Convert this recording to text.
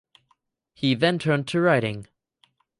He then turned to writing.